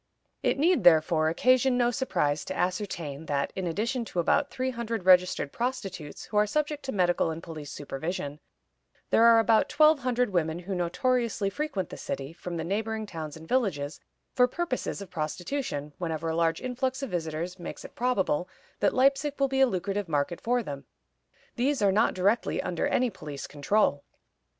It need, therefore, occasion no surprise to ascertain that, in addition to about three hundred registered prostitutes who are subject to medical and police supervision, there are about twelve hundred women who notoriously frequent the city, from the neighboring towns and villages, for purposes of prostitution, whenever a large influx of visitors makes it probable that Leipzig will be a lucrative market for them. These are not directly under any police control.